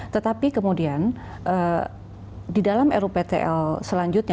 tetapi kemudian di dalam ruptl selanjutnya